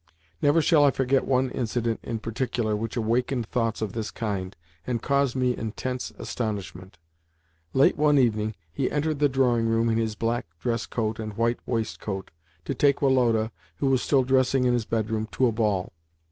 Never shall I forget one incident in particular which awakened thoughts of this kind, and caused me intense astonishment. Late one evening, he entered the drawing room in his black dress coat and white waistcoat, to take Woloda (who was still dressing in his bedroom) to a ball.